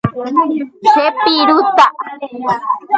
Chepirúta.